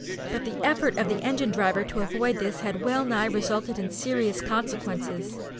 But the effort of the engine driver to avoid this had well nigh resulted in serious consequences.